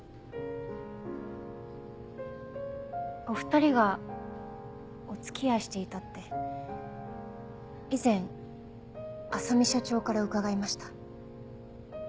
お２人がお付き合いしていたって以前浅海社長から伺いました。